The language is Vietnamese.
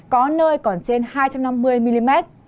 có nơi còn trên hai trăm năm mươi mm